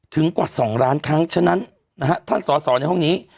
กว่า๒ล้านครั้งฉะนั้นนะฮะท่านสอสอในห้องนี้